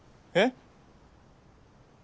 えっ？